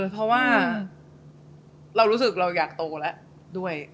เพราะว่าเรารู้สึกเราอยากโตแล้วด้วย